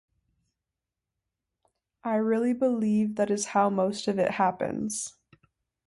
I really believe that is how most of it happens.